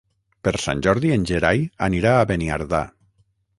Per Sant Jordi en Gerai anirà a Beniardà.